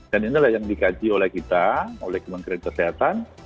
dan inilah yang dikaji oleh kita oleh kementerian kesehatan